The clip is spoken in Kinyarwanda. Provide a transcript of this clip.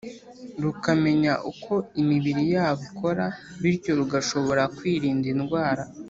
rukamenya uko imibiri yabo ikora, bityo rugashobora kwirinda indwara